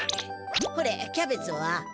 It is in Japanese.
ほれキャベツは？